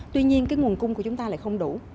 tuy nhiên cái nguồn cung của chúng ta lại không đủ